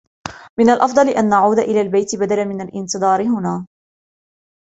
من الأفضل أن نعود إلى البيت بدلا من الانتظار هنا.